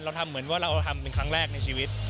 ทำเหมือนว่าเราทำเป็นครั้งแรกในชีวิต